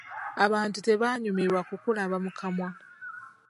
Abantu tebanyumirwa kukulaba mu kamwa.